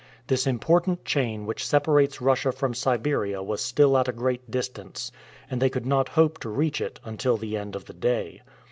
This important chain which separates Russia from Siberia was still at a great distance, and they could not hope to reach it until the end of the day.